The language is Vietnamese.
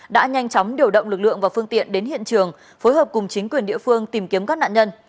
đã nhanh chóng điều động lực lượng và phương tiện đến hiện trường phối hợp cùng chính quyền địa phương tìm kiếm các nạn nhân